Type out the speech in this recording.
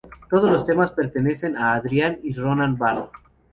Todos los temas pertenecen a Adrián y Ronan Bar.